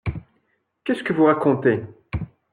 Qu’est-ce que vous racontez?